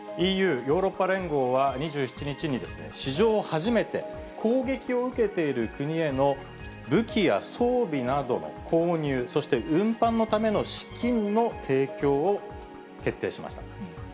ＥＵ・ヨーロッパ連合は２７日に、史上初めて、攻撃を受けている国への武器や装備などの購入、そして運搬のための資金の提供を決定しました。